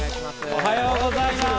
おはようございます。